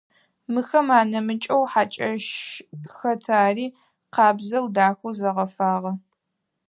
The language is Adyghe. Мыхэм анэмыкӏэу хьакӏэщ хэт, ари къабзэу, дахэу зэгъэфагъэ.